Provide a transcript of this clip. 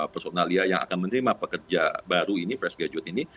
personalia yang akan menerima pekerja baru ini fresh gadget ini